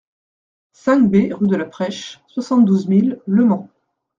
cinq B rue de la Presche, soixante-douze mille Le Mans